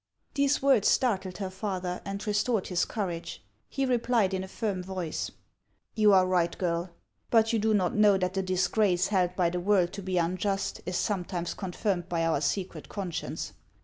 These words startled her father and restored his cour age. He replied in a firm voice :—" You are right, girl. But you do not know that the disgrace held by the world to be unjust is sometimes con firmed by our secret conscience.